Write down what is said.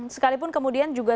sekalipun kemudian juga